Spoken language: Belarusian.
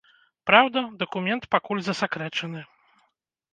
Праўда, дакумент пакуль засакрэчаны.